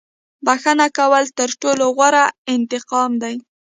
• بښنه کول تر ټولو غوره انتقام دی.